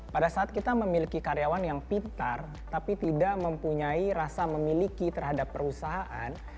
pada saat kita memiliki karyawan yang pintar tapi tidak mempunyai rasa memiliki terhadap perusahaan